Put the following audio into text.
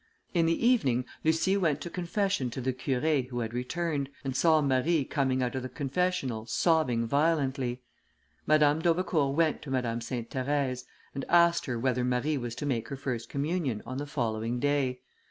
In the evening, Lucie went to confession to the Curé, who had returned, and saw Marie coming out of the confessional, sobbing violently. Madame d'Aubecourt went to Madame Sainte Therèse, and asked her whether Marie was to make her first communion on the following day.